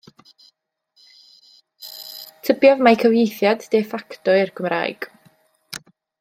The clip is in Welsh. Tybiaf mai cyfieithiad de facto yw'r Cymraeg.